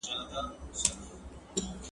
پر ښار به تر قیامته حسیني کربلا نه وي ..